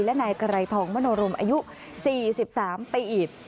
และนายไกรทองมโนรมอายุ๔๓ปีอีก